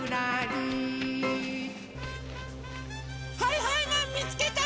はいはいマンみつけた！